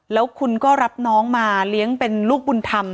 แล้วคุณก็รับน้องมาเลี้ยงเป็นลูกบุญธรรม